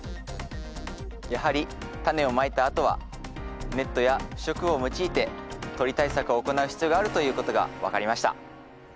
やはりタネをまいたあとはネットや不織布を用いて鳥対策を行う必要があるということが分かりました。